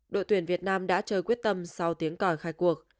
đội tuyển việt nam đã chơi quyết tâm sau tiếng còi khai cuộc